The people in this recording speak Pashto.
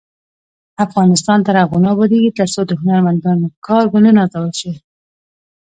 افغانستان تر هغو نه ابادیږي، ترڅو د هنرمندانو کار ونه نازول شي.